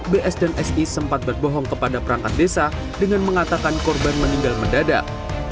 bs dan si sempat berbohong kepada perangkat desa dengan mengatakan korban meninggal mendadak